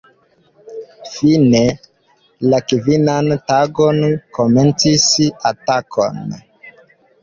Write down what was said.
Fine la kvinan tagon komencis atakon.